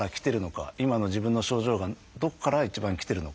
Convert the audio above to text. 今の自分の症状がどこから一番きてるのか。